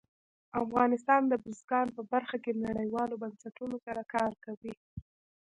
افغانستان د بزګان په برخه کې نړیوالو بنسټونو سره کار کوي.